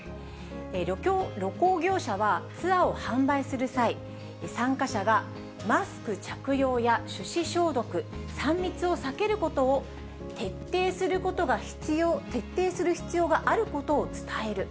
旅行業者はツアーを販売する際、参加者がマスク着用や手指消毒、３密を避けることを徹底する必要があることを伝える。